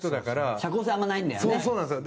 中居：社交性あんまないんだよね。